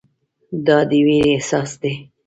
دا د ویرې احساس دی.